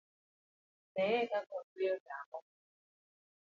Neye kaka otweyo otamba